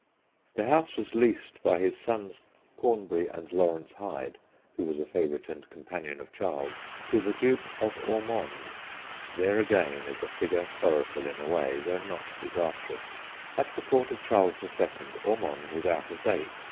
The house was leased by his sons, Cornbury 22 THE GHOSTS OF PICCADILLY and Lawrence Hyde who was a favourite and companion of Charles to the Duke of Ormonde. There, again, is a figure sorrow ful in a way, though not disastrous. At the Court of Charles the Second Ormonde was out of date.